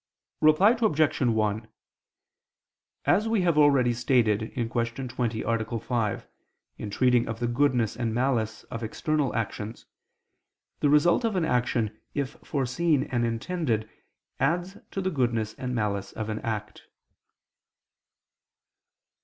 Reply Obj. 1: As we have already stated (Q. 20, A. 5), in treating of the goodness and malice of external actions, the result of an action if foreseen and intended adds to the goodness and malice of an act.